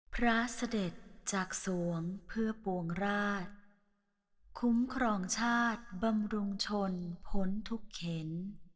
พระเสด็จจากสวงเพื่อปวงราชคุ้มครองชาติบำรุงชนพ้นทุกเข็น